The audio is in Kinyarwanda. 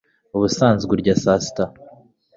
Ubusanzwe urya saa sita